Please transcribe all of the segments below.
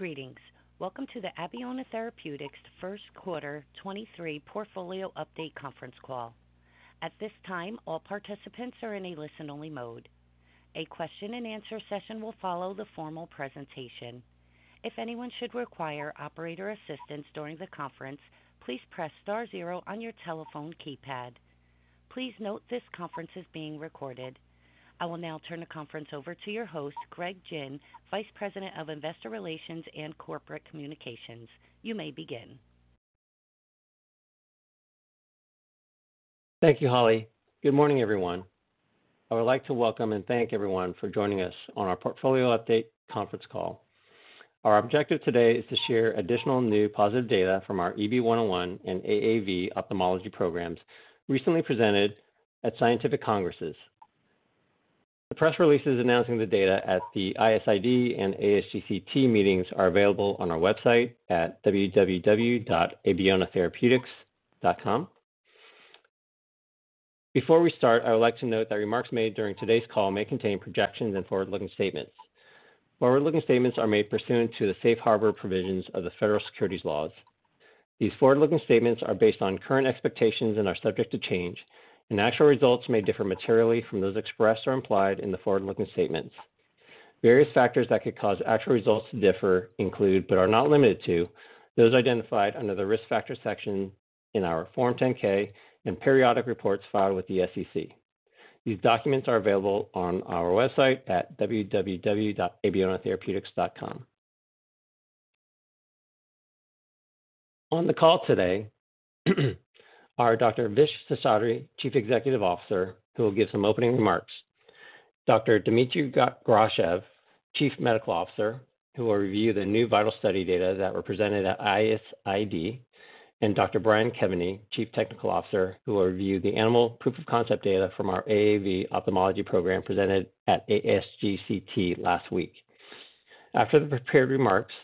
Greetings. Welcome to the Abeona Therapeutics Q1 2023 portfolio update conference call. At this time, all participants are in a listen-only mode. A question-and-answer session will follow the formal presentation. If anyone should require operator assistance during the conference, please press star zero on your telephone keypad. Please note this conference is being recorded. I will now turn the conference over to your host, Greg Gin, Vice President of Investor Relations and Corporate Communications. You may begin. Thank you, Holly. Good morning, everyone. I would like to welcome and thank everyone for joining us on our portfolio update conference call. Our objective today is to share additional new positive data from our EB-101 and AAV ophthalmology programs recently presented at scientific congresses. The press releases announcing the data at the ISID and ASGCT meetings are available on our website at www.abeonatherapeutics.com. Before we start, I would like to note that remarks made during today's call may contain projections and forward-looking statements. Forward-looking statements are made pursuant to the safe harbor provisions of the Federal Securities laws. These forward-looking statements are based on current expectations and are subject to change, and actual results may differ materially from those expressed or implied in the forward-looking statements. Various factors that could cause actual results to differ include, but are not limited to, those identified under the Risk Factors section in our Form 10-K and periodic reports filed with the SEC. These documents are available on our website at www.abeonatherapeutics.com. On the call today are Dr. Vishwas Seshadri, Chief Executive Officer, who will give some opening remarks. Dr. Dmitriy Grachev, Chief Medical Officer, who will review the new VIITAL study data that were presented at ISID. Dr. Brian Kevany, Chief Technical Officer, who will review the animal proof-of-concept data from our AAV ophthalmology program presented at ASGCT last week. After the prepared remarks,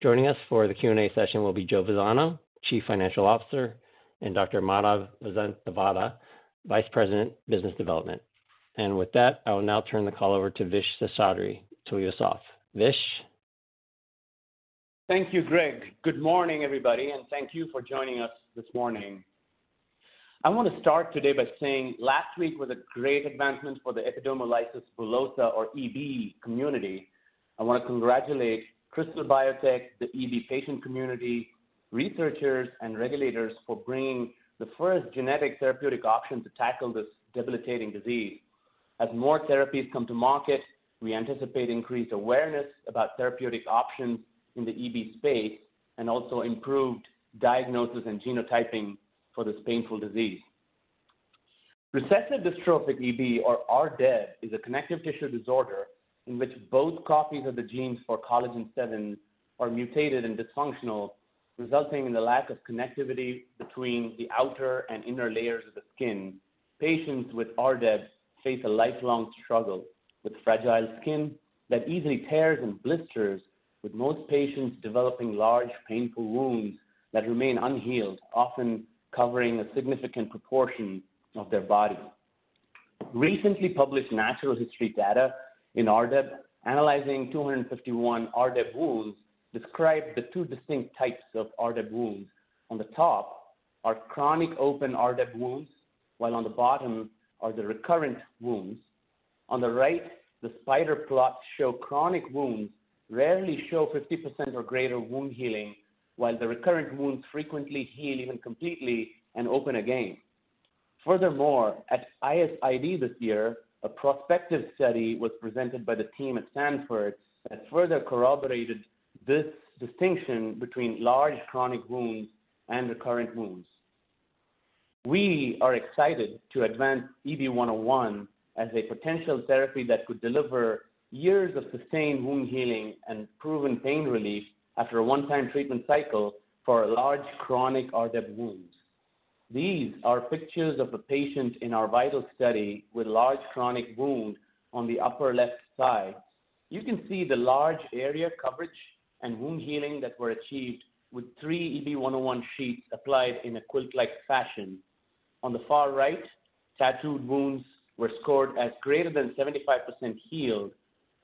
joining us for the Q&A session will be Joe Vazzano, Chief Financial Officer, and Dr. Madhav Vasanthavada, Vice President, Business Development. With that, I will now turn the call over to Vishwas Seshadri to lead us off. Vish? Thank you, Greg. Good morning, everybody, and thank you for joining us this morning. I want to start today by saying last week was a great advancement for the Epidermolysis Bullosa, or EB, community. I want to congratulate Krystal Biotech, the EB patient community, researchers, and regulators for bringing the first genetic therapeutic option to tackle this debilitating disease. As more therapies come to market, we anticipate increased awareness about therapeutic options in the EB space and also improved diagnosis and genotyping for this painful disease. Recessive dystrophic EB, or RDEB, is a connective tissue disorder in which both copies of the genes for collagen VII are mutated and dysfunctional, resulting in the lack of connectivity between the outer and inner layers of the skin. Patients with RDEB face a lifelong struggle with fragile skin that easily tears and blisters, with most patients developing large, painful wounds that remain unhealed, often covering a significant proportion of their body. Recently published natural history data in RDEB analyzing 251 RDEB wounds described the two distinct types of RDEB wounds. On the top are chronic open RDEB wounds, while on the bottom are the recurrent wounds. On the right, the spider plots show chronic wounds rarely show 50% or greater wound healing, while the recurrent wounds frequently heal even completely and open again. Furthermore, at ISID this year, a prospective study was presented by the team at Stanford that further corroborated this distinction between large chronic wounds and recurrent wounds. We are excited to advance EB-101 as a potential therapy that could deliver years of sustained wound healing and proven pain relief after a one-time treatment cycle for large chronic RDEB wounds. These are pictures of a patient in our VIITAL study with large chronic wound on the upper left side. You can see the large area coverage and wound healing that were achieved with three EB-101 sheets applied in a quilt-like fashion. On the far right, tattooed wounds were scored as greater than 75% healed.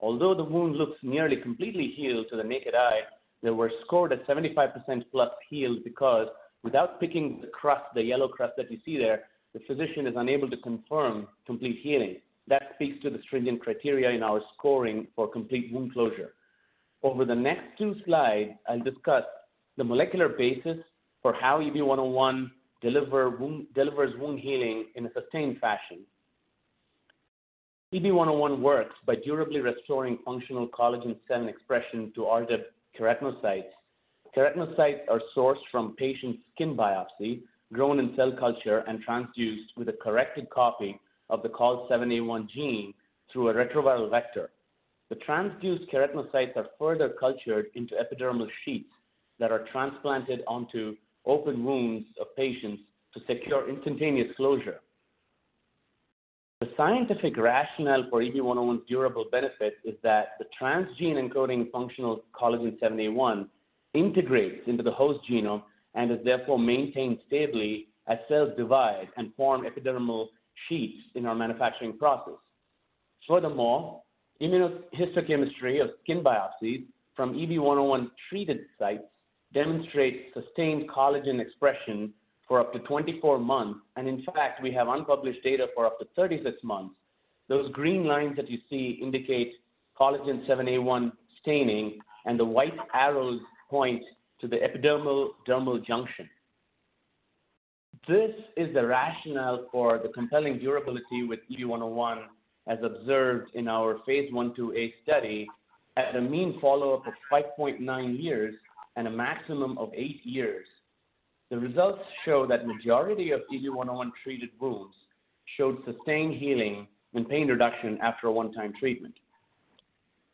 Although the wound looks nearly completely healed to the naked eye, they were scored at 75%+ healed because without picking the crust, the yellow crust that you see there, the physician is unable to confirm complete healing. That speaks to the stringent criteria in our scoring for complete wound closure. Over the next two slides, I'll discuss the molecular basis for how EB101 delivers wound healing in a sustained fashion. EB101 works by durably restoring functional collagen VII expression to RDEB keratocytes. Keratocytes are sourced from patient skin biopsy, grown in cell culture, and transduced with a corrected copy of the COL7A1 gene through a retroviral vector. The transduced keratocytes are further cultured into epidermal sheets that are transplanted onto open wounds of patients to secure instantaneous closure. The scientific rationale for EB101 durable benefit is that the transgene encoding functional collagen 7A1 integrates into the host genome and is therefore maintained stably as cells divide and form epidermal sheets in our manufacturing process. Furthermore, immunohistochemistry of skin biopsies from EB101-treated sites demonstrate sustained collagen expression for up to 24 months, and in fact, we have unpublished data for up to 36 months. Those green lines that you see indicate collagen VIIA1 staining, and the white arrows point to the dermal-epidermal junction. This is the rationale for the compelling durability with EB-101, as observed in our Phase I, 2A study at a mean follow-up of 5.9 years and a maximum of eight years. The results show that majority of EB-101-treated wounds showed sustained healing and pain reduction after a one time treatment.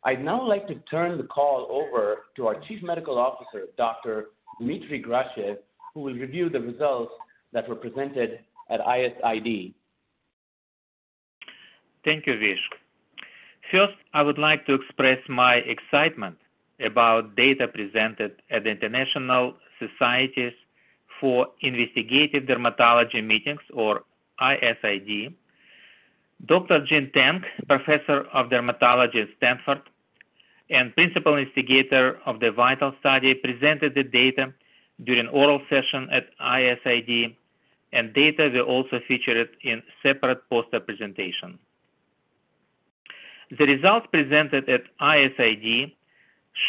I'd now like to turn the call over to our Chief Medical Officer, Dr. Dmitriy Grachev, who will review the results that were presented at ISID. Thank you, Vish. I would like to express my excitement about data presented at the International Societies for Investigative Dermatology meetings or ISID. Dr. Jean Tang, professor of dermatology at Stanford and principal instigator of the VIITAL study, presented the data during oral session at ISID, data were also featured in separate poster presentation. The results presented at ISID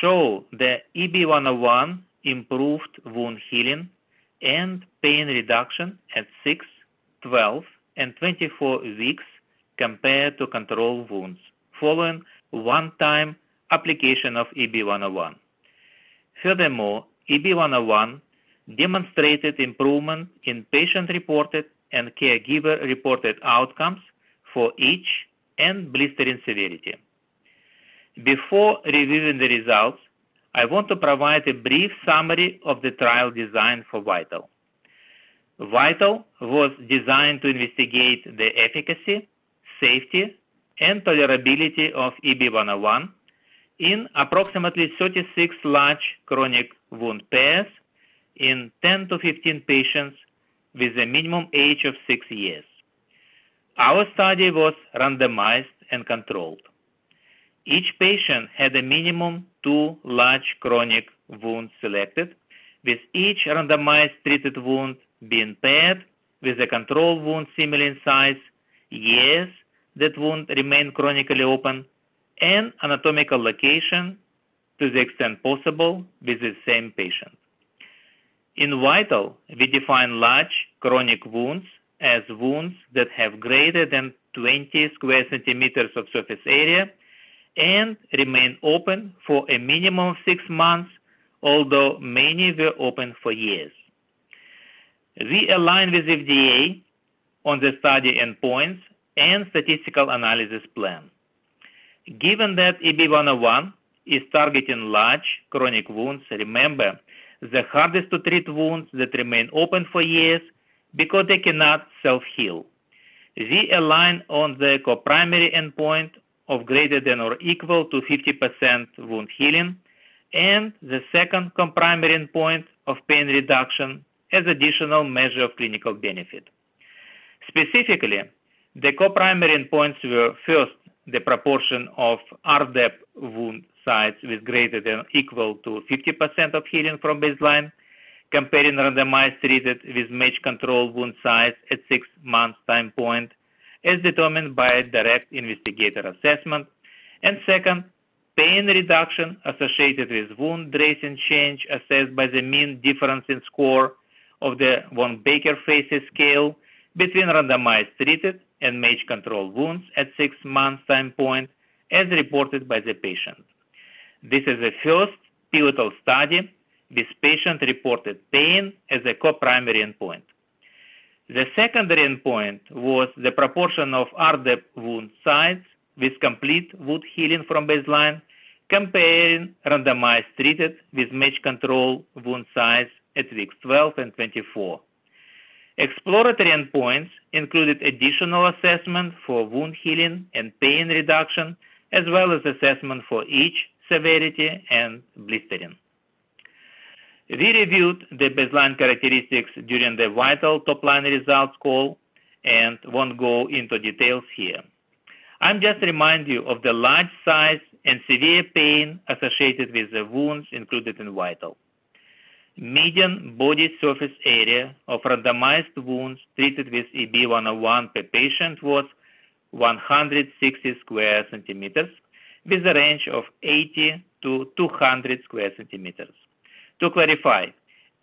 show that EB-101 improved wound healing and pain reduction at 6, 12, and 24 weeks compared to control wounds following one-time application of EB-101. EB-101 demonstrated improvement in patient-reported and caregiver-reported outcomes for itch and blistering severity. Before reviewing the results, I want to provide a brief summary of the trial design for VIITAL. VIITAL was designed to investigate the efficacy, safety, and tolerability of EB-101 in approximately 36 large chronic wound pairs in 10 to 15 patients with a minimum age of 6 years. Our study was randomized and controlled. Each patient had a minimum two large chronic wounds selected, with each randomized treated wound being paired with a control wound similar in size, years that wound remained chronically open, and anatomical location to the extent possible with the same patient. In VIITAL, we define large chronic wounds as wounds that have greater than 20 square centimeters of surface area and remain open for a minimum of 6 months, although many were open for years. We align with FDA on the study endpoints and statistical analysis plan. Given that EB-101 is targeting large chronic wounds, remember, the hardest to treat wounds that remain open for years because they cannot self-heal. We align on the co-primary endpoint of greater than or equal to 50% wound healing and the second co-primary endpoint of pain reduction as additional measure of clinical benefit. Specifically, the co-primary endpoints were, first, the proportion of RDEB wound size was greater than or equal to 50% of healing from baseline, comparing randomized treated with match-controlled wound size at six months time point, as determined by direct investigator assessment. Second, pain reduction associated with wound dressing change assessed by the mean difference in score of the Wong-Baker FACES Pain Rating Scale between randomized treated and match-controlled wounds at six months time point as reported by the patient. This is the first pivotal study with patient-reported pain as a co-primary endpoint. The secondary endpoint was the proportion of RDEB wound size with complete wound healing from baseline comparing randomized treated with match-controlled wound size at weeks 12 and 24. Exploratory endpoints included additional assessment for wound healing and pain reduction, as well as assessment for itch severity and blistering. We reviewed the baseline characteristics during the VIITAL top-line results call and won't go into details here. I'm just remind you of the large size and severe pain associated with the wounds included in VIITAL. Median body surface area of randomized wounds treated with EB-101 per patient was 160 square centimeters with a range of 80-200 square centimeters. To clarify,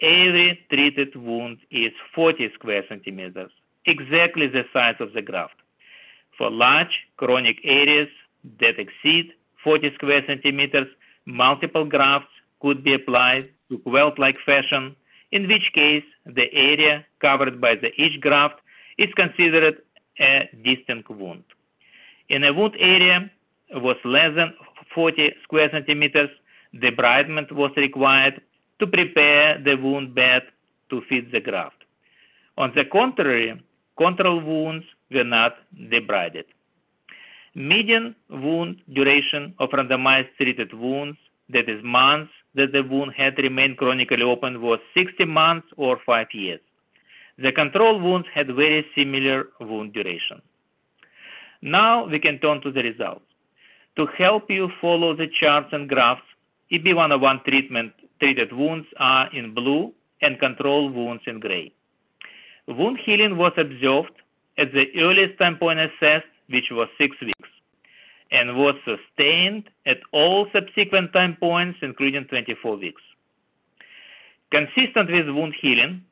every treated wound is 40 square centimeters, exactly the size of the graft. For large chronic areas that exceed 40 square centimeters, multiple grafts could be applied to quilt-like fashion, in which case the area covered by the each graft is considered a distinct wound. In a wound area with less than 40 square centimeters, debridement was required to prepare the wound bed to fit the graft. On the contrary, control wounds were not debrided. Median wound duration of randomized treated wounds, that is months that the wound had remained chronically open, was 60 months or 5 years. The control wounds had very similar wound duration. We can turn to the results. To help you follow the charts and graphs, EB-101 treatment treated wounds are in blue and control wounds in gray. Wound healing was observed at the earliest time point assessed, which was 6 weeks, and was sustained at all subsequent time points, including 24 weeks. Consistent with wound healing,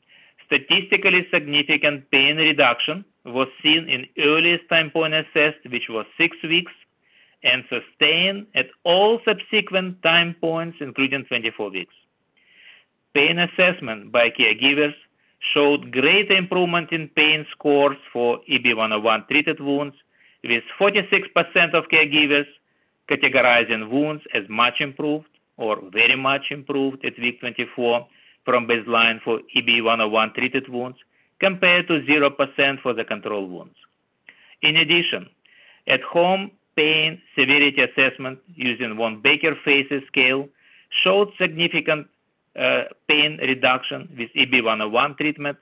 statistically significant pain reduction was seen in earliest time point assessed, which was 6 weeks, and sustained at all subsequent time points, including 24 weeks. Pain assessment by caregivers showed greater improvement in pain scores for EB-101 treated wounds, with 46% of caregivers categorizing wounds as much improved or very much improved at week 24 from baseline for EB-101 treated wounds, compared to 0% for the control wounds. In addition, at home pain severity assessment using Wong-Baker FACES Pain Rating Scale showed significant pain reduction with EB-101 treatment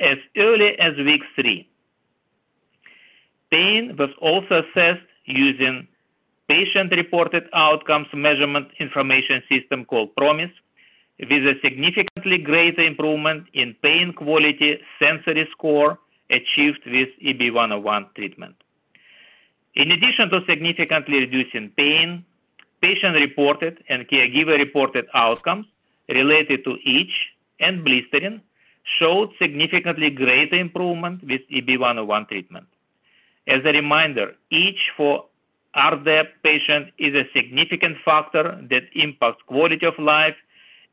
as early as week three. Pain was also assessed using Patient-Reported Outcomes Measurement Information System called PROMIS, with a significantly greater improvement in pain quality sensory score achieved with EB-101 treatment. In addition to significantly reducing pain, patient-reported and caregiver-reported outcomes related to itch and blistering showed significantly greater improvement with EB-101 treatment. As a reminder, itch for RDEB patient is a significant factor that impacts quality of life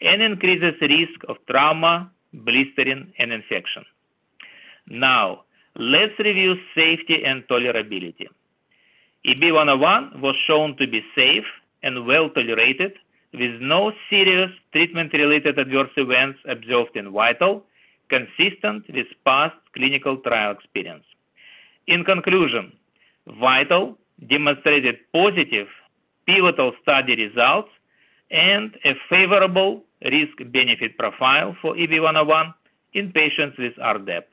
and increases risk of trauma, blistering, and infection. Let's review safety and tolerability. EB-101 was shown to be safe and well-tolerated, with no serious treatment-related adverse events observed in VIITAL, consistent with past clinical trial experience. In conclusion, VIITAL demonstrated positive pivotal study results and a favorable risk-benefit profile for EB-101 in patients with RDEB.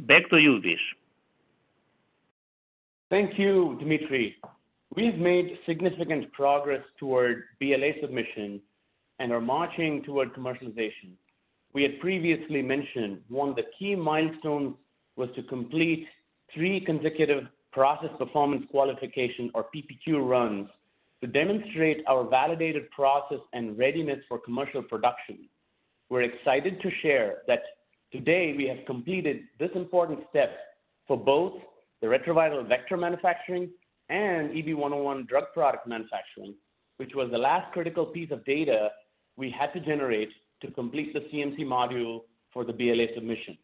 Back to you, Vish. Thank you, Dmitriy. We've made significant progress toward BLA submission and are marching toward commercialization. We had previously mentioned one of the key milestones was to complete 3 consecutive Process Performance Qualification or PPQ runs to demonstrate our validated process and readiness for commercial production. We're excited to share that today we have completed this important step for both the retroviral vector manufacturing and EB-101 drug product manufacturing, which was the last critical piece of data we had to generate to complete the CMC module for the BLA submission.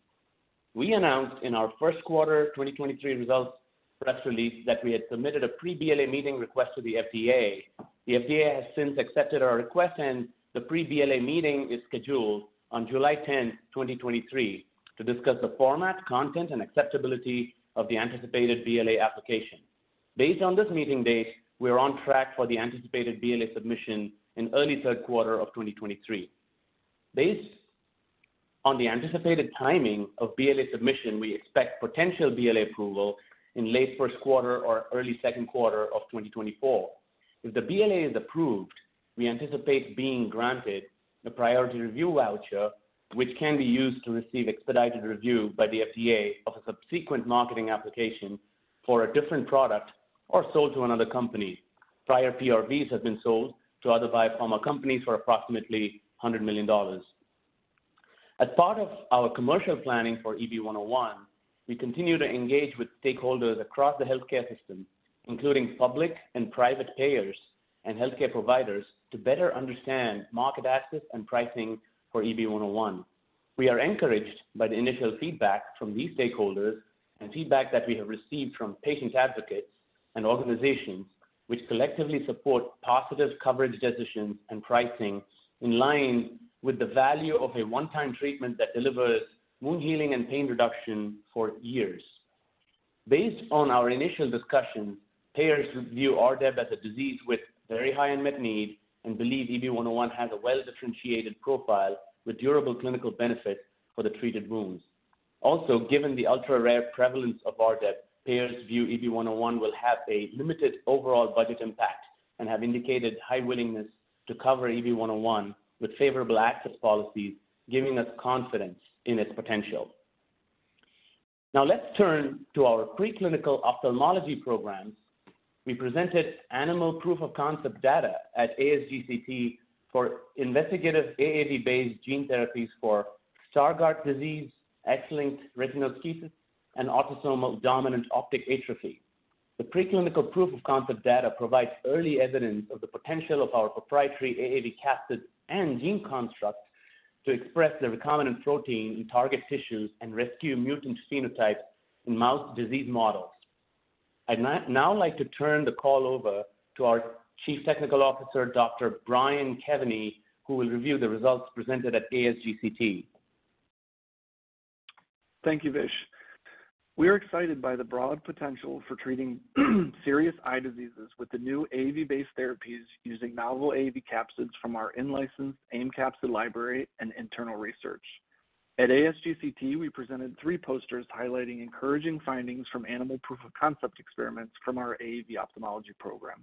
We announced in our Q1 2023 results press release that we had submitted a pre-BLA meeting request to the FDA. The FDA has since accepted our request, the pre-BLA meeting is scheduled on July 10th, 2023, to discuss the format, content, and acceptability of the anticipated BLA application. Based on this meeting date, we are on track for the anticipated BLA submission in early third quarter of 2023. Based on the anticipated timing of BLA submission, we expect potential BLA approval in late Q1 or early Q2 of 2024. If the BLA is approved, we anticipate being granted the priority review voucher, which can be used to receive expedited review by the FDA of a subsequent marketing application for a different product or sold to another company. Prior PRVs have been sold to other biopharma companies for approximately $100 million. As part of our commercial planning for EB-101, we continue to engage with stakeholders across the healthcare system, including public and private payers and healthcare providers, to better understand market access and pricing for EB-101. We are encouraged by the initial feedback from these stakeholders and feedback that we have received from patients advocates and organizations which collectively support positive coverage decisions and pricing in line with the value of a one-time treatment that delivers wound healing and pain reduction for years. Based on our initial discussion, payers view RDEB as a disease with very high unmet need and believe EB-101 has a well-differentiated profile with durable clinical benefit for the treated wounds. Also, given the ultra-rare prevalence of RDEB, payers view EB-101 will have a limited overall budget impact and have indicated high willingness to cover EB-101 with favorable access policies, giving us confidence in its potential. Now let's turn to our preclinical ophthalmology programs. We presented animal proof-of-concept data at ASGCT for investigative AAV-based gene therapies for Stargardt disease, X-linked retinoschisis, and autosomal dominant optic atrophy. The preclinical proof-of-concept data provides early evidence of the potential of our proprietary AAV capsid and gene constructs to express the recombinant protein in target tissues and rescue mutant phenotypes in mouse disease models. I'd now like to turn the call over to our Chief Technical Officer, Dr. Brian Kevany, who will review the results presented at ASGCT. Thank you, Vish. We are excited by the broad potential for treating serious eye diseases with the new AAV-based therapies using novel AAV capsids from our in-licensed AIM Capsid Library and internal research. At ASGCT, we presented three posters highlighting encouraging findings from animal proof-of-concept experiments from our AAV ophthalmology program.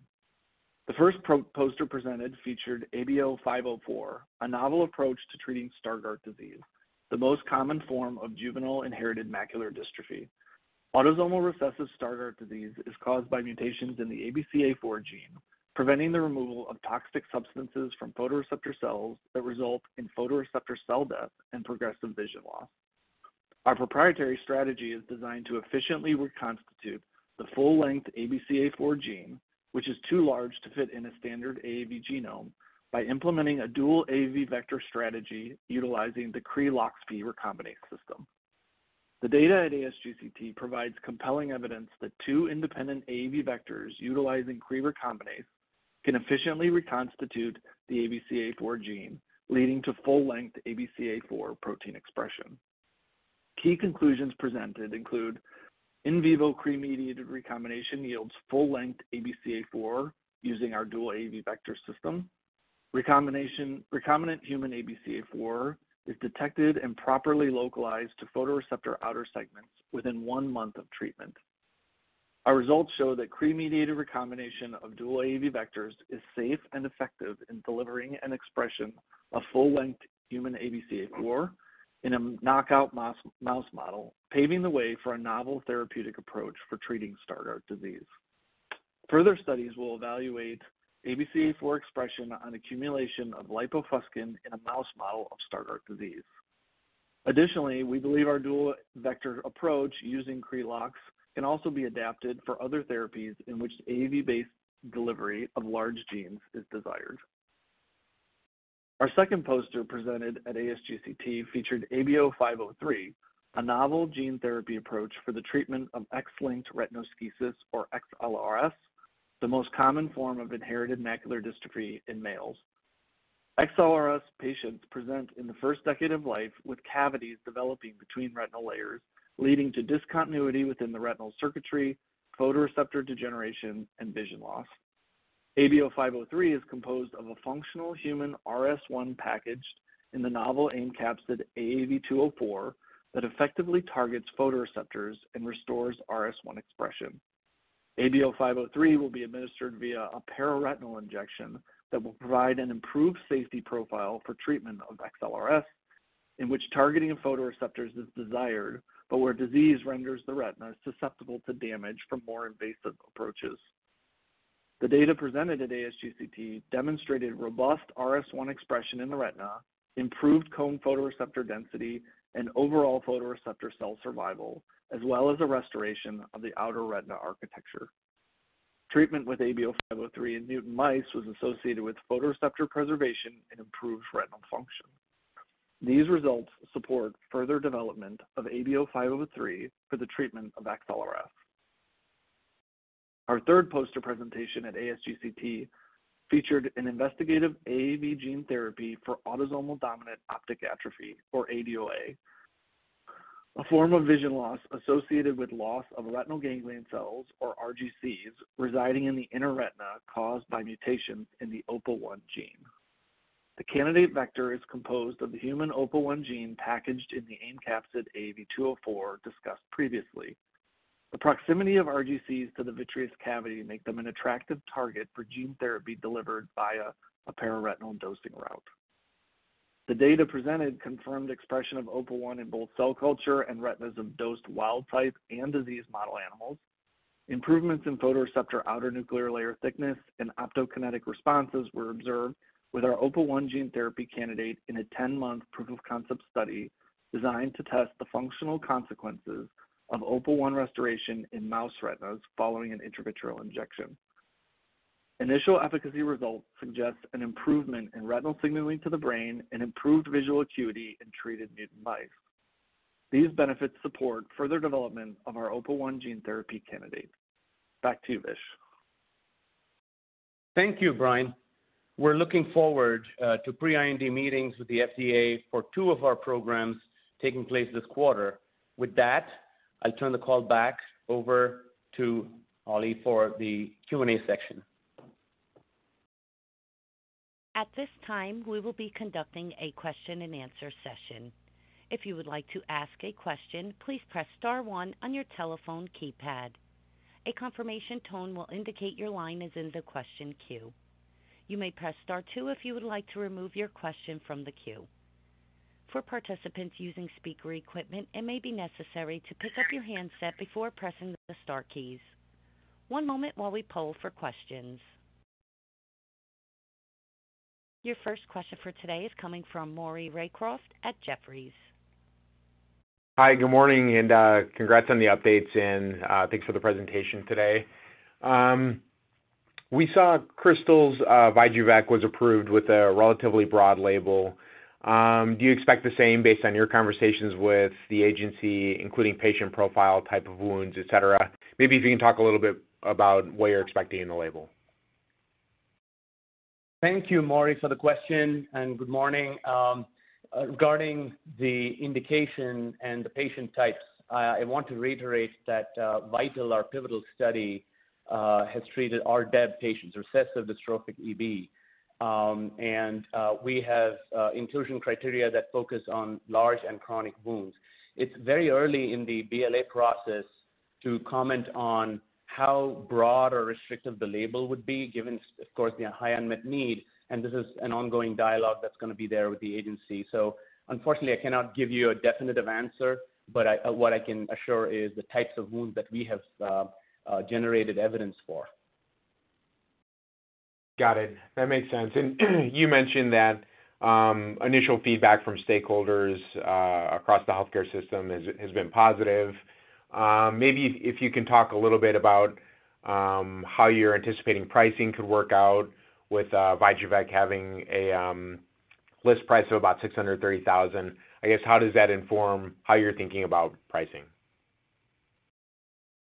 The first poster presented featured ABO-504, a novel approach to treating Stargardt disease, the most common form of juvenile inherited macular dystrophy. Autosomal recessive Stargardt disease is caused by mutations in the ABCA4 gene, preventing the removal of toxic substances from photoreceptor cells that result in photoreceptor cell death and progressive vision loss. Our proprietary strategy is designed to efficiently reconstitute the full-length ABCA4 gene, which is too large to fit in a standard AAV genome, by implementing a dual AAV vector strategy utilizing the Cre-LoxP recombinase system. The data at ASGCT provides compelling evidence that two independent AAV vectors utilizing Cre recombinase can efficiently reconstitute the ABCA4 gene, leading to full-length ABCA4 protein expression. Key conclusions presented include in vivo Cre-mediated recombination yields full-length ABCA4 using our dual AAV vector system. Recombination, recombinant human ABCA4 is detected and properly localized to photoreceptor outer segments within one month of treatment. Our results show that Cre-mediated recombination of dual AAV vectors is safe and effective in delivering an expression of full-length human ABCA4 in a knockout mouse model, paving the way for a novel therapeutic approach for treating Stargardt disease. Further studies will evaluate ABCA4 expression on accumulation of lipofuscin in a mouse model of Stargardt disease. We believe our dual vector approach using Cre-Lox can also be adapted for other therapies in which AAV-based delivery of large genes is desired. Our second poster presented at ASGCT featured ABO-503, a novel gene therapy approach for the treatment of X-linked retinoschisis or XLRS, the most common form of inherited macular dystrophy in males. XLRS patients present in the first decade of life with cavities developing between retinal layers, leading to discontinuity within the retinal circuitry, photoreceptor degeneration, and vision loss. ABO-503 is composed of a functional human RS1 packaged in the novel AIM capsid AAV204 that effectively targets photoreceptors and restores RS1 expression. ABO-503 will be administered via a para-retinal injection that will provide an improved safety profile for treatment of XLRS, in which targeting of photoreceptors is desired but where disease renders the retina susceptible to damage from more invasive approaches. The data presented at ASGCT demonstrated robust RS1 expression in the retina, improved cone photoreceptor density, and overall photoreceptor cell survival, as well as a restoration of the outer retina architecture. Treatment with ABO-503 in mutant mice was associated with photoreceptor preservation and improved retinal function. These results support further development of ABO-503 for the treatment of XLRS. Our third poster presentation at ASGCT featured an investigative AAV gene therapy for autosomal dominant optic atrophy, or ADOA, a form of vision loss associated with loss of retinal ganglion cells, or RGCs, residing in the inner retina caused by mutations in the OPA1 gene. The candidate vector is composed of the human OPA1 gene packaged in the AIM capsid AAV204 discussed previously. The proximity of RGCs to the vitreous cavity make them an attractive target for gene therapy delivered via a pararetinal dosing route. The data presented confirmed expression of OPA1 in both cell culture and retinas of dosed wild type and disease model animals. Improvements in photoreceptor outer nuclear layer thickness and optokinetic responses were observed with our OPA1 gene therapy candidate in a 10-month proof-of-concept study designed to test the functional consequences of OPA1 restoration in mouse retinas following an intravitreal injection. Initial efficacy results suggest an improvement in retinal signaling to the brain and improved visual acuity in treated mutant mice. These benefits support further development of our OPA1 gene therapy candidate. Back to you, Vish. Thank you, Brian. We're looking forward to pre-IND meetings with the FDA for two of our programs taking place this quarter. With that, I'll turn the call back over to Holly for the Q&A section. At this time, we will be conducting a question-and-answer session. If you would like to ask a question, please press star one on your telephone keypad. A confirmation tone will indicate your line is in the question queue. You may press star two if you would like to remove your question from the queue. For participants using speaker equipment, it may be necessary to pick up your handset before pressing the star keys. One moment while we poll for questions. Your first question for today is coming from Maury Raycroft at Jefferies. Hi. Good morning, congrats on the updates, thanks for the presentation today. We saw Krystal's VYJUVEK was approved with a relatively broad label. Do you expect the same based on your conversations with the agency, including patient profile, type of wounds, et cetera? Maybe if you can talk a little bit about what you're expecting in the label. Thank you, Maury, for the question, and good morning. Regarding the indication and the patient types, I want to reiterate that VIITAL, our pivotal study, has treated RDEB patients, recessive dystrophic EB. We have inclusion criteria that focus on large and chronic wounds. It's very early in the BLA process to comment on how broad or restrictive the label would be given of course, the high unmet need, and this is an ongoing dialogue that's gonna be there with the agency. Unfortunately, I cannot give you a definitive answer, but what I can assure is the types of wounds that we have generated evidence for. Got it. That makes sense. You mentioned that initial feedback from stakeholders across the healthcare system has been positive. Maybe if you can talk a little bit about how you're anticipating pricing could work out with VYJUVEK having a list price of about $630,000. I guess, how does that inform how you're thinking about pricing?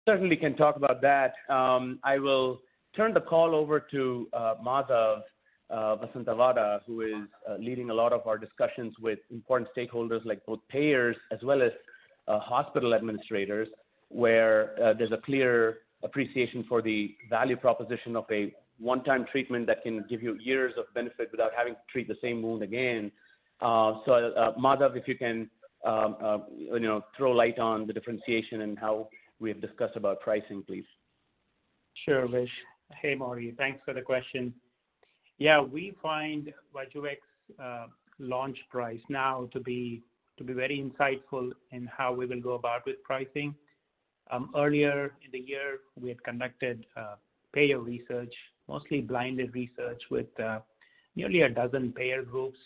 Certainly can talk about that. I will turn the call over to Madhav Vasanthavada, who is leading a lot of our discussions with important stakeholders like both payers as well as hospital administrators, where there's a clear appreciation for the value proposition of a one-time treatment that can give you years of benefit without having to treat the same wound again. Madhav, if you can, you know, throw light on the differentiation and how we have discussed about pricing, please. Sure, Vish. Hey, Maury. Thanks for the question. Yeah, we find VYJUVEK's launch price now to be very insightful in how we will go about with pricing. Earlier in the year, we had conducted payer research, mostly blinded research, with nearly a dozen payer groups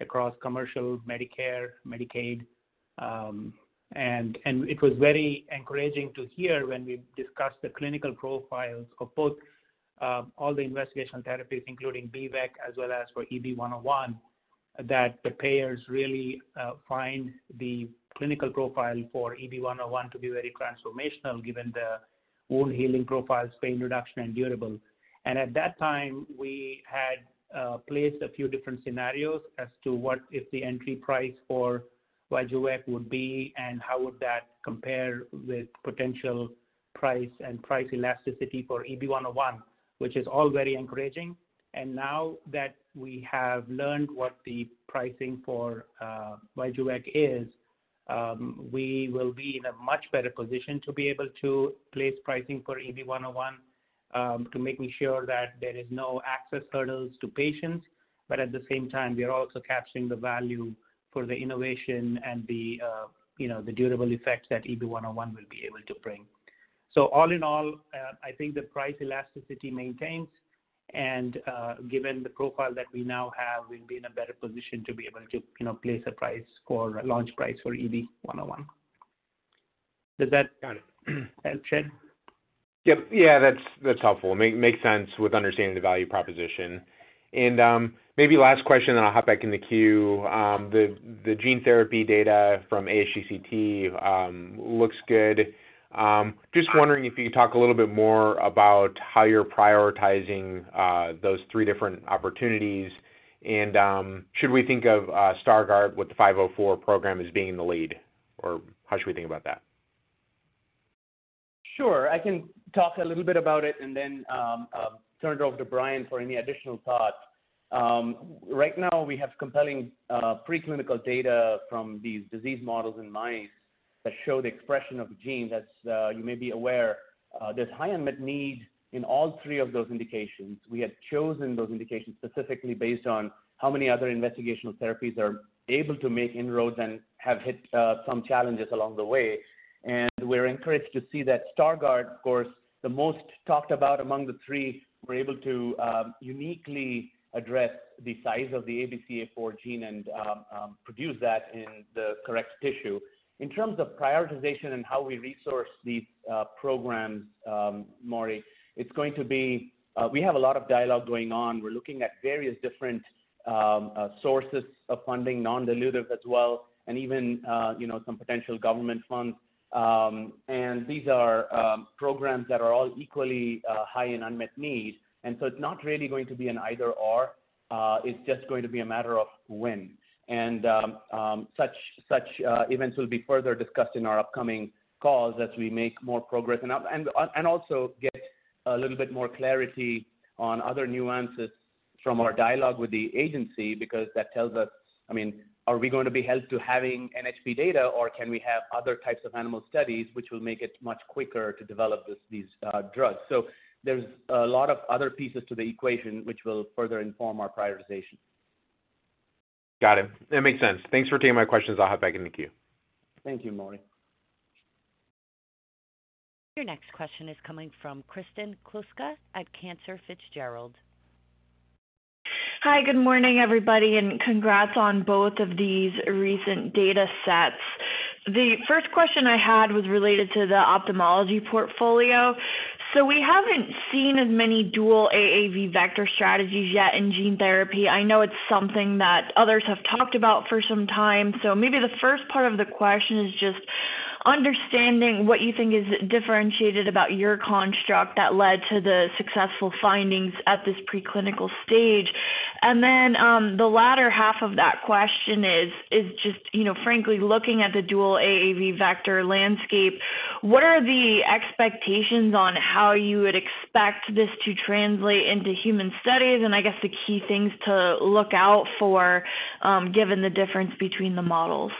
across commercial Medicare, Medicaid. And it was very encouraging to hear when we discussed the clinical profiles of both, all the investigational therapies, including VYJUVEK, as well as for EB-101, that the payers really find the clinical profile for EB-101 to be very transformational given the wound healing profiles, pain reduction, and durable. And at that time, we had placed a few different scenarios as to what if the entry price for VYJUVEK would be and how would that compare with potential price and price elasticity for EB-101, which is all very encouraging. Now that we have learned what the pricing for VYJUVEK is, we will be in a much better position to be able to place pricing for EB-101, to making sure that there is no access hurdles to patients, but at the same time, we are also capturing the value for the innovation and the, you know, the durable effect that EB-101 will be able to bring. All in all, I think the price elasticity maintains. Given the profile that we now have, we'll be in a better position to be able to, you know, place a price for a launch price for EB-101. Got it. Help, Shed? Yep. Yeah, that's helpful. Makes sense with understanding the value proposition. Maybe last question, then I'll hop back in the queue. The gene therapy data from ASGCT looks good. Just wondering if you could talk a little bit more about how you're prioritizing those three different opportunities. Should we think of Stargardt with the 504 program as being the lead? Or how should we think about that? Sure, I can talk a little bit about it and then turn it over to Brian for any additional thoughts. Right now we have compelling preclinical data from these disease models in mind that show the expression of gene that's, you may be aware. There's high unmet need in all three of those indications. We have chosen those indications specifically based on how many other investigational therapies are able to make inroads and have hit some challenges along the way. We're encouraged to see that Stargardt, of course, the most talked about among the three, we're able to uniquely address the size of the ABCA4 gene and produce that in the correct tissue. In terms of prioritization and how we resource these programs, Maury, we have a lot of dialogue going on. We're looking at various different sources of funding, non-dilutive as well, and even, you know, some potential government funds. These are programs that are all equally high in unmet need. It's not really going to be an either/or. It's just going to be a matter of when. Such events will be further discussed in our upcoming calls as we make more progress and also get a little bit more clarity on other nuances from our dialogue with the agency because that tells us, I mean, are we gonna be held to having NHP data or can we have other types of animal studies which will make it much quicker to develop this, these drugs? There's a lot of other pieces to the equation which will further inform our prioritization. Got it. That makes sense. Thanks for taking my questions. I'll hop back in the queue. Thank you, Maury. Your next question is coming from Kristen Kluska at Cantor Fitzgerald. Hi, good morning, everybody. Congrats on both of these recent data sets. The first question I had was related to the ophthalmology portfolio. We haven't seen as many dual AAV vector strategies yet in gene therapy. I know it's something that others have talked about for some time. Maybe the first part of the question is just. Understanding what you think is differentiated about your construct that led to the successful findings at this preclinical stage. The latter half of that question is just, you know, frankly, looking at the dual AAV vector landscape, what are the expectations on how you would expect this to translate into human studies? The key things to look out for, given the difference between the models.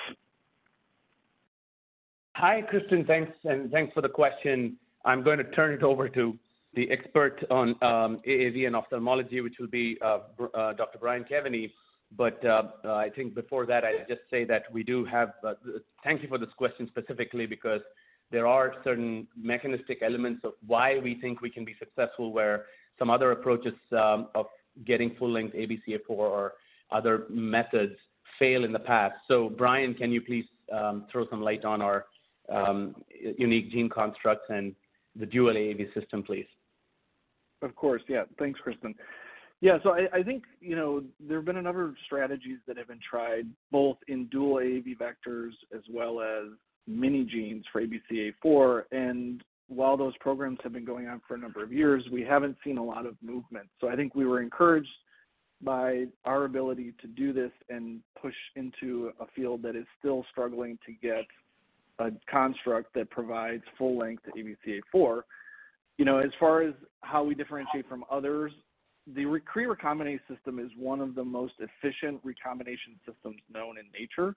Hi, Kristen. Thanks and thanks for the question. I'm going to turn it over to the expert on AAV and ophthalmology, which will be Dr. Brian Kevany. I think before that, I'd just say that Thank you for this question specifically because there are certain mechanistic elements of why we think we can be successful, where some other approaches of getting full length ABCA4 or other methods failed in the past. Brian, can you please throw some light on our unique gene constructs and the dual AAV system, please? Of course. Yeah. Thanks, Kristen. Yeah. I think, you know, there have been a number of strategies that have been tried both in dual AAV vectors as well as mini genes for ABCA4. While those programs have been going on for a number of years, we haven't seen a lot of movement. I think we were encouraged by our ability to do this and push into a field that is still struggling to get a construct that provides full length ABCA4. You know, as far as how we differentiate from others, the Cre recombinase system is one of the most efficient recombination systems known in nature.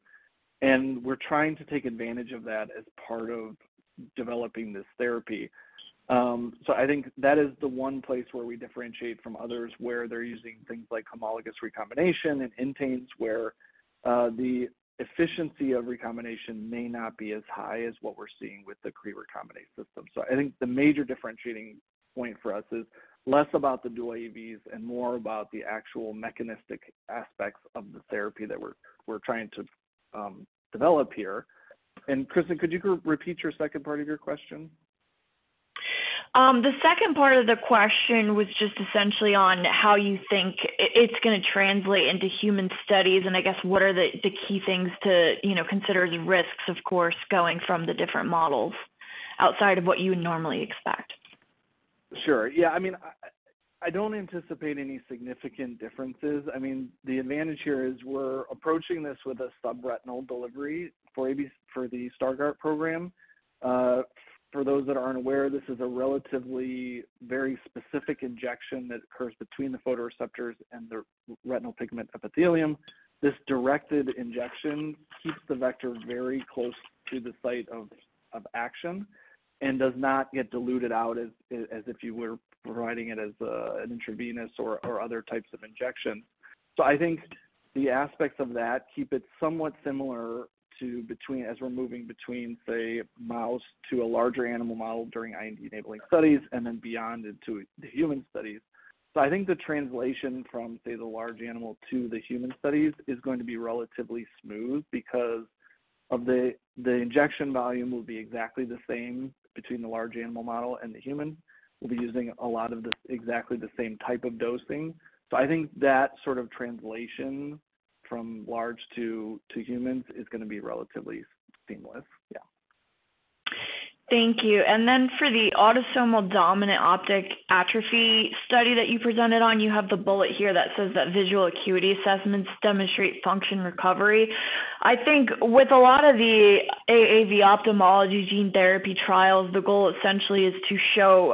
We're trying to take advantage of that as part of developing this therapy. I think that is the one place where we differentiate from others, where they're using things like homologous recombination and inteins, where the efficiency of recombination may not be as high as what we're seeing with the Cre-recombinase system. I think the major differentiating point for us is less about the dual AAVs and more about the actual mechanistic aspects of the therapy that we're trying to develop here. Kristen, could you repeat your second part of your question? The second part of the question was just essentially on how you think it's gonna translate into human studies, and I guess what are the key things to, you know, consider the risks, of course, going from the different models outside of what you would normally expect. Sure. Yeah. I mean, I don't anticipate any significant differences. I mean, the advantage here is we're approaching this with a subretinal delivery for the Stargardt program. For those that aren't aware, this is a relatively very specific injection that occurs between the photoreceptors and the retinal pigment epithelium. This directed injection keeps the vector very close to the site of action and does not get diluted out as if you were providing it as an intravenous or other types of injections. I think the aspects of that keep it somewhat similar to as we're moving between, say, mouse to a larger animal model during IND-enabling studies and then beyond into the human studies. I think the translation from, say, the large animal to the human studies is going to be relatively smooth because of the injection volume will be exactly the same between the large animal model and the human. We'll be using a lot of the exactly the same type of dosing. I think that sort of translation from large to humans is gonna be relatively seamless. Yeah. Thank you. For the autosomal dominant optic atrophy study that you presented on, you have the bullet here that says that visual acuity assessments demonstrate function recovery. I think with a lot of the AAV ophthalmology gene therapy trials, the goal essentially is to show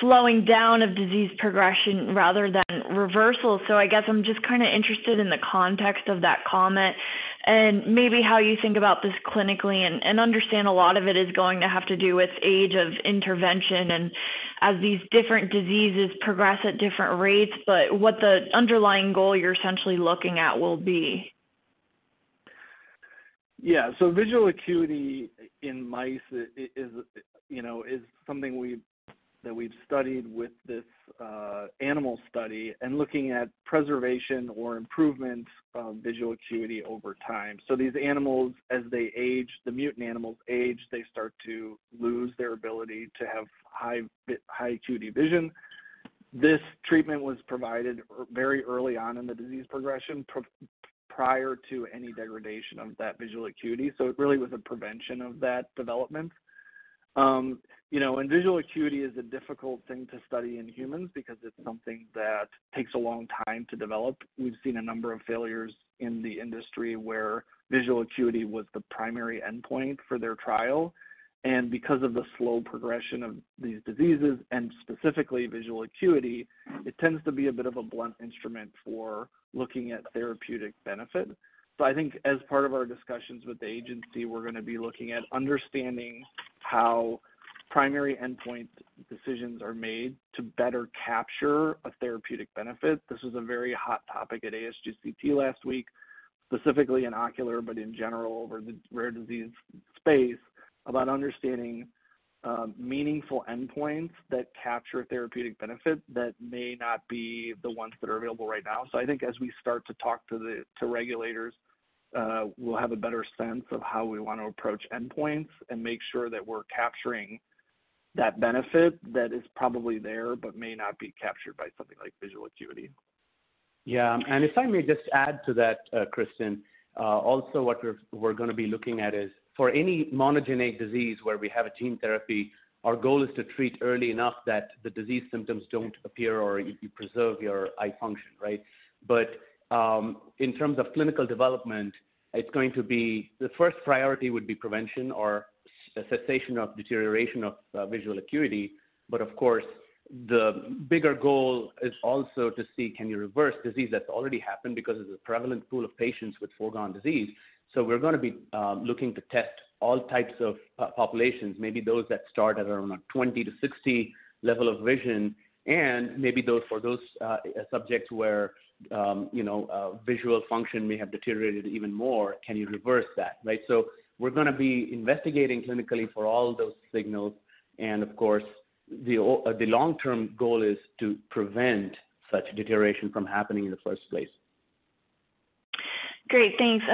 slowing down of disease progression rather than reversal. I guess I'm just kinda interested in the context of that comment and maybe how you think about this clinically. Understand a lot of it is going to have to do with age of intervention and as these different diseases progress at different rates, but what the underlying goal you're essentially looking at will be. Visual acuity in mice is, you know, is something that we've studied with this animal study and looking at preservation or improvement of visual acuity over time. These animals, as they age, the mutant animals age, they start to lose their ability to have high acuity vision. This treatment was provided very early on in the disease progression prior to any degradation of that visual acuity. It really was a prevention of that development. You know, and visual acuity is a difficult thing to study in humans because it's something that takes a long time to develop. We've seen a number of failures in the industry where visual acuity was the primary endpoint for their trial. Because of the slow progression of these diseases and specifically visual acuity, it tends to be a bit of a blunt instrument for looking at therapeutic benefit. I think as part of our discussions with the agency, we're gonna be looking at understanding how primary endpoint decisions are made to better capture a therapeutic benefit. This was a very hot topic at ASGCT last week, specifically in ocular, but in general over the rare disease space, about understanding meaningful endpoints that capture therapeutic benefit that may not be the ones that are available right now. I think as we start to talk to regulators, we'll have a better sense of how we wanna approach endpoints and make sure that we're capturing that benefit that is probably there but may not be captured by something like visual acuity. Yeah. If I may just add to that, Kristen, also what we're gonna be looking at is for any monogenic disease where we have a gene therapy, our goal is to treat early enough that the disease symptoms don't appear or you preserve your eye function, right? In terms of clinical development, it's going to be the first priority would be prevention or cessation of deterioration of visual acuity. Of course, the bigger goal is also to see can you reverse disease that's already happened because it's a prevalent pool of patients with foregone disease. We're gonna be looking to test all types of populations, maybe those that start at around 20 to 60 level of vision and maybe for those subjects where, you know, visual function may have deteriorated even more, can you reverse that? Right? We're gonna be investigating clinically for all those signals. Of course, the long-term goal is to prevent such deterioration from happening in the first place. Great, thanks.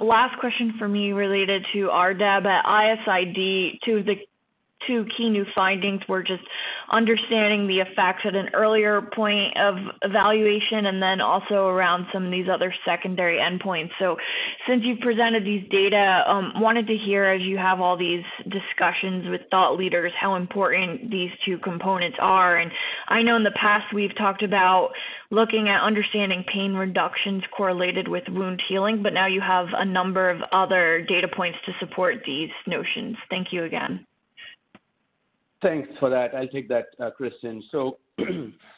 Last question for me related to RDEB at ISID, two of the two key new findings were just understanding the effects at an earlier point of evaluation and then also around some of these other secondary endpoints. Since you've presented these data, wanted to hear as you have all these discussions with thought leaders, how important these two components are. I know in the past we've talked about looking at understanding pain reductions correlated with wound healing, but now you have a number of other data points to support these notions. Thank you again. Thanks for that. I'll take that, Kristen.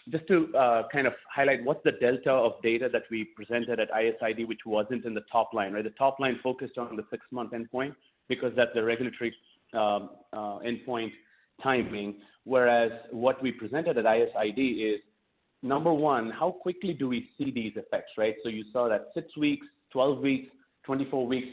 Just to kind of highlight what the delta of data that we presented at ISID, which wasn't in the top line, right. The top line focused on the 6-month endpoint because that's the regulatory endpoint timing. What we presented at ISID is number one, how quickly do we see these effects, right. You saw that 6 weeks, 12 weeks, 24 weeks.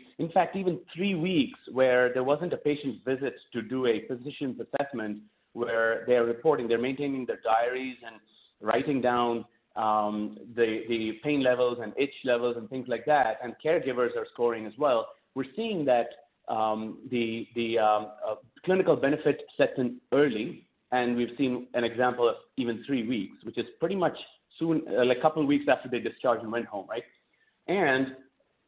Even 3 weeks where there wasn't a patient visit to do a physician's assessment where they are reporting they're maintaining their diaries and writing down the pain levels and itch levels and things like that, and caregivers are scoring as well. We're seeing that the clinical benefit sets in early, and we've seen an example of even three weeks, which is pretty much soon, like a couple of weeks after they discharged and went home, right?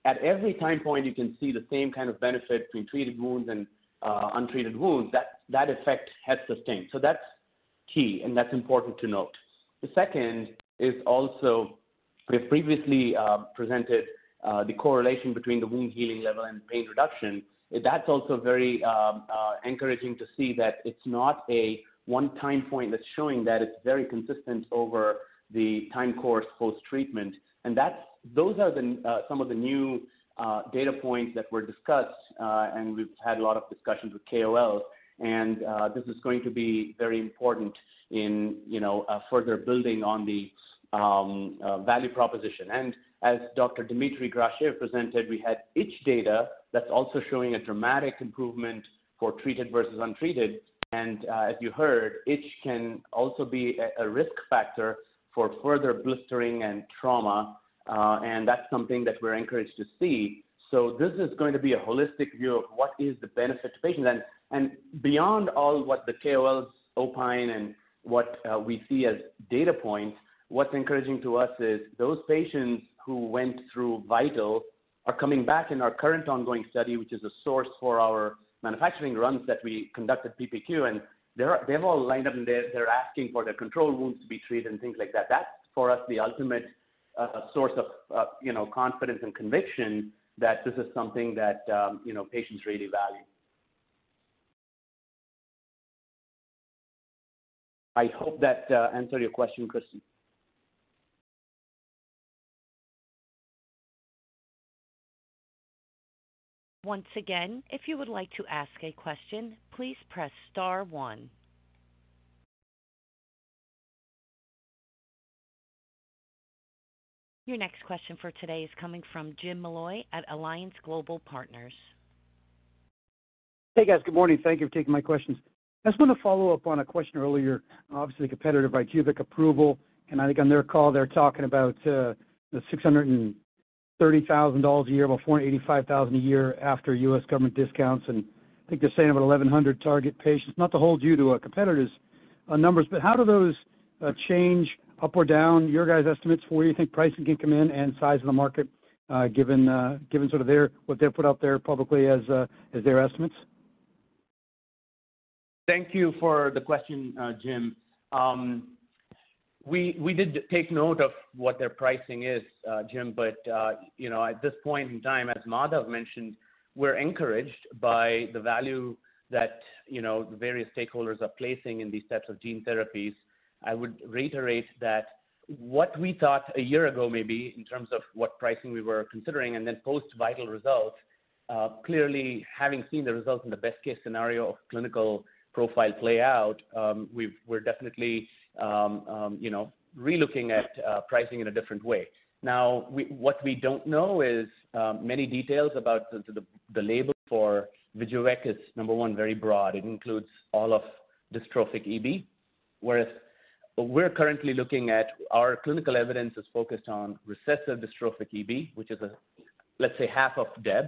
At every time point, you can see the same kind of benefit between treated wounds and untreated wounds that effect has sustained. That's key, and that's important to note. The second is also we've previously presented the correlation between the wound healing level and pain reduction. That's also very encouraging to see that it's not a one time point that's showing that it's very consistent over the time course post-treatment. Those are the some of the new data points that were discussed, and we've had a lot of discussions with KOLs. This is going to be very important in, you know, further building on the value proposition. As Dr. Dmitriy Grachev presented, we had itch data that's also showing a dramatic improvement for treated versus untreated. As you heard, itch can also be a risk factor for further blistering and trauma, and that's something that we're encouraged to see. This is going to be a holistic view of what is the benefit to patients. Beyond all what the KOLs opine and what we see as data points, what's encouraging to us is those patients who went through VIITAL are coming back in our current ongoing study, which is a source for our manufacturing runs that we conduct at PPQ, and they've all lined up, and they're asking for their control wounds to be treated and things like that. That's for us, the ultimate source of, you know, confidence and conviction that this is something that, you know, patients really value. I hope that answered your question, Kristen. Once again, if you would like to ask a question, please press star one. Your next question for today is coming from James Molloy at Alliance Global Partners. Hey, guys. Good morning. Thank you for taking my questions. I just want to follow up on a question earlier, obviously competitive VYJUVEK approval. I think on their call, they're talking about the $630,000 a year, about $485,000 a year after US government discounts. I think they're saying about 1,100 target patients. Not to hold you to a competitor's numbers, how do those change up or down your guys' estimates for where you think pricing can come in and size of the market, given sort of their, what they've put out there publicly as their estimates? Thank you for the question, Jim. We did take note of what their pricing is, Jim, but you know, at this point in time, as Madhav mentioned, we're encouraged by the value that, you know, the various stakeholders are placing in these types of gene therapies. I would reiterate that what we thought a year ago, maybe in terms of what pricing we were considering and then post-VIITAL results, clearly having seen the results in the best-case scenario of clinical profile play out, we're definitely, you know, relooking at pricing in a different way. Now, what we don't know is many details about the label for VYJUVEK is number 1 very broad. It includes all of Dystrophic EB. Whereas we're currently looking at our clinical evidence is focused on Recessive Dystrophic EB, which is half of DEB.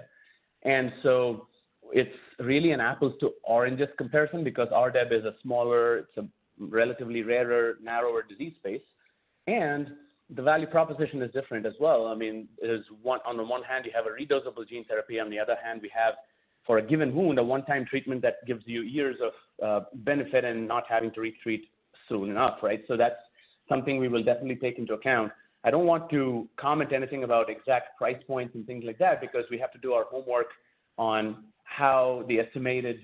It's really an apples to oranges comparison because our DEB is a smaller, it's a relatively rarer, narrower disease space, and the value proposition is different as well. I mean, it is one on the one hand, you have a redosable gene therapy, on the other hand, we have for a given wound, a one-time treatment that gives you years of benefit and not having to retreat soon enough, right? That's something we will definitely take into account. I don't want to comment anything about exact price points and things like that because we have to do our homework on how the estimated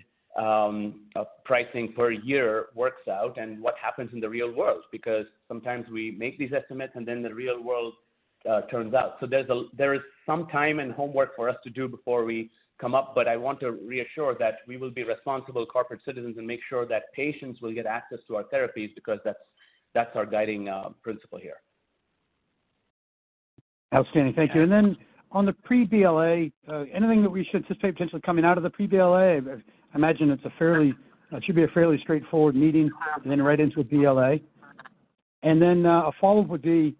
pricing per year works out and what happens in the real world. Sometimes we make these estimates and then the real world, turns out. There is some time and homework for us to do before we come up. I want to reassure that we will be responsible corporate citizens and make sure that patients will get access to our therapies because that's our guiding principle here. Outstanding. Thank you. On the pre-BLA, anything that we should anticipate potentially coming out of the pre-BLA? I imagine it should be a fairly straightforward meeting then right into a BLA. A follow-up would be,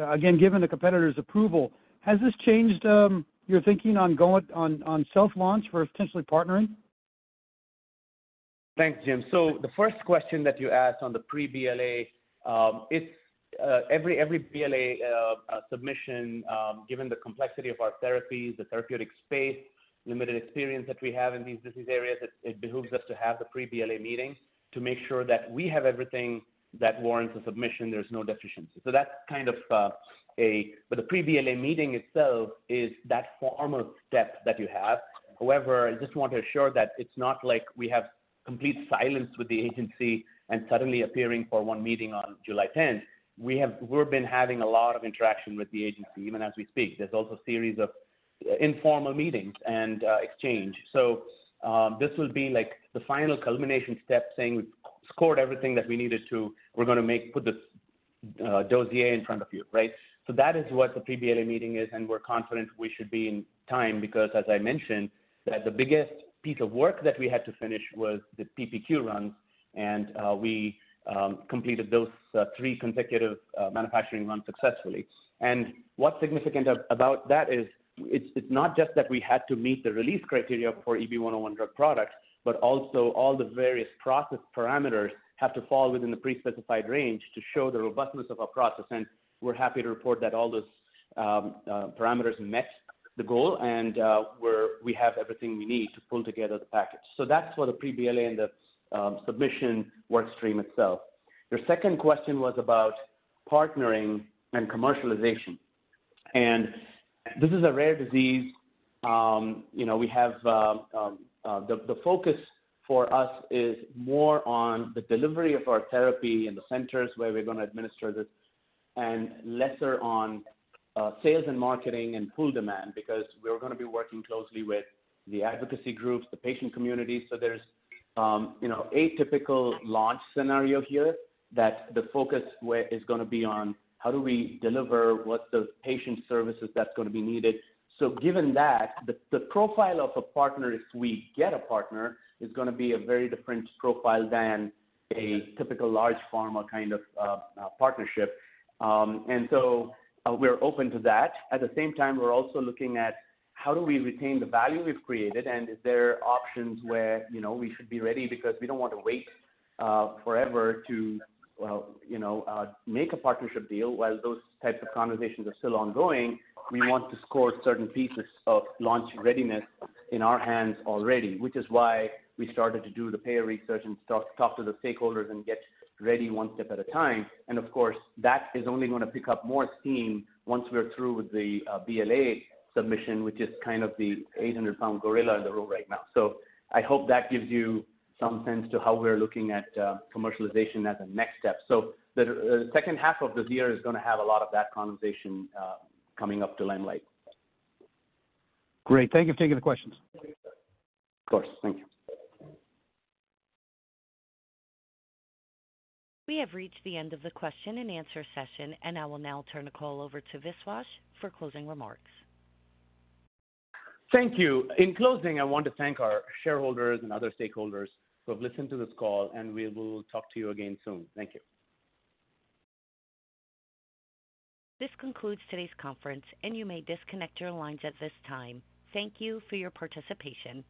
again, given the competitor's approval, has this changed your thinking on going on self-launch or potentially partnering? Thanks, Jim. The first question that you asked on the pre-BLA, it's every BLA submission, given the complexity of our therapies, the therapeutic space, limited experience that we have in these disease areas, it behooves us to have the pre-BLA meeting to make sure that we have everything that warrants a submission, there's no deficiencies. That's kind of but the pre-BLA meeting itself is that formal step that you have. However, I just want to assure that it's not like we have complete silence with the agency and suddenly appearing for one meeting on July 10th. We've been having a lot of interaction with the agency even as we speak. There's also series of informal meetings and exchange. This will be like the final culmination step, saying we scored everything that we needed to. We're gonna make, put this dossier in front of you, right? That is what the pre-BLA meeting is, and we're confident we should be in time, because as I mentioned, that the biggest piece of work that we had to finish was the PPQ run, and we completed those 3 consecutive manufacturing runs successfully. What's significant about that is it's not just that we had to meet the release criteria for EB-101 drug products, but also all the various process parameters have to fall within the pre-specified range to show the robustness of our process. We're happy to report that all those parameters met the goal and we have everything we need to pull together the package. That's for the pre-BLA and the submission work stream itself. Your second question was about partnering and commercialization. This is a rare disease. You know, we have, the focus for us is more on the delivery of our therapy in the centers where we're gonna administer this and lesser on, sales and marketing and pool demand, because we're gonna be working closely with the advocacy groups, the patient communities. There's, you know, atypical launch scenario here that the focus where is gonna be on how do we deliver, what's the patient services that's gonna be needed. Given that, the profile of a partner, if we get a partner, is gonna be a very different profile than a typical large pharma kind of, partnership. We're open to that. At the same time, we're also looking at how do we retain the value we've created, and is there options where, you know, we should be ready because we don't want to wait forever to, well, you know, make a partnership deal. While those types of conversations are still ongoing, we want to score certain pieces of launch readiness in our hands already, which is why we started to do the payer research and start to talk to the stakeholders and get ready one step at a time. Of course, that is only gonna pick up more steam once we're through with the BLA submission, which is kind of the 800 pound gorilla in the room right now. I hope that gives you some sense to how we're looking at commercialization as a next step. The H2 of the year is gonna have a lot of that conversation coming up to limelight. Great. Thank you for taking the questions. Of course. Thank you. We have reached the end of the question and answer session, and I will now turn the call over to Vishwas for closing remarks. Thank you. In closing, I want to thank our shareholders and other stakeholders who have listened to this call, and we will talk to you again soon. Thank you. This concludes today's conference, and you may disconnect your lines at this time. Thank you for your participation.